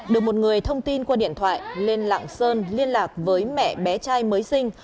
được một người thông tin qua điện thoại lên lạng sơn liên lạc với mẹ bé trai mới sinh